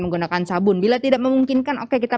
menggunakan sabun bila tidak memungkinkan oke kita